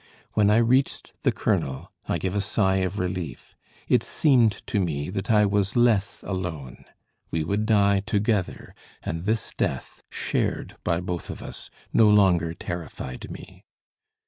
When I reached the colonel, I gave a sigh of relief; it seemed to me that I was less alone; we would die together, and this death shared by both of us no longer terrified me.